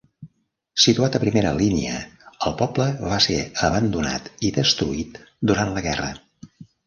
Situat a primera línia, el poble va ser abandonat i destruït durant la guerra.